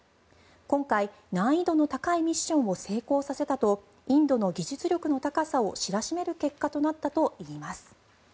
今回、難易度の高いミッションを成功させたとインドの技術力の高さを知らしめる結果となったといいます。